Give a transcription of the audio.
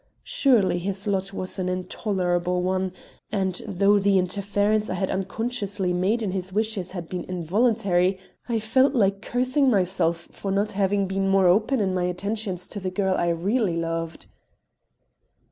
Surely his lot was an intolerable one, and, though the interference I had unconsciously made in his wishes had been involuntary, I felt like cursing myself for not having been more open in my attentions to the girl I really loved.